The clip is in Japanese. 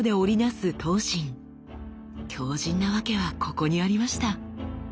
強じんなワケはここにありました。